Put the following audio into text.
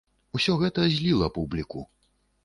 Усё гэта зліла публіку.